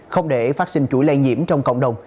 không để phát sinh chuỗi lây nhiễm trong cộng đồng